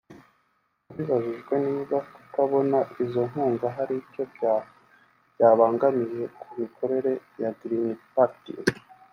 Abajijwe niba kutabona izo nkunga hari icyo byabangamiye ku mikorere ya Green Party